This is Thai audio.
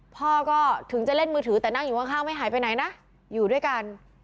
พ่อก็ถึงจะเล่นมือถือแต่นั่งอยู่ข้างไม่หายไปไหนนะอยู่ด้วยกัน